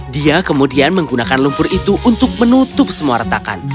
dia kemudian menggunakan lumpur itu untuk menutup semua retakan